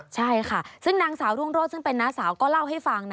ใช่ค่ะซึ่งนางสาวรุ่งโรศซึ่งเป็นน้าสาวก็เล่าให้ฟังนะ